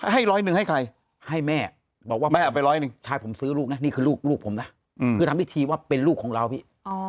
ให้ร้อยหนึ่งให้ใครให้แม่บอกว่าแม่เอาไปร้อยหนึ่งชายผมซื้อลูกนะนี่คือลูกผมนะคือทำพิธีว่าเป็นลูกของเราพี่